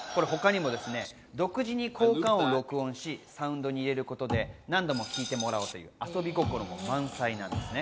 他にもですね、独自に効果音を録音し、サウンドに入れることで何度も聴いてもらおうという遊び心満載です。